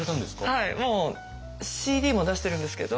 もうＣＤも出してるんですけど。